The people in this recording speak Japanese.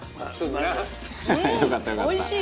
おいしい！